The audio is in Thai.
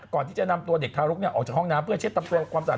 ก่อนที่จะนำตัวเด็กทารกออกจากห้องน้ำเพื่อเช็ดความสะอาด